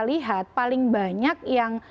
lihat paling banyak yang